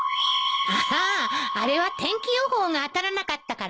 ああれは天気予報が当たらなかったからよ。